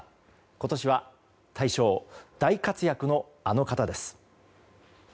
今年は大賞大活躍のあの方です。